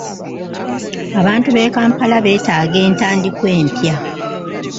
Abantu b'e Kampala beetaaga entandikwa empya.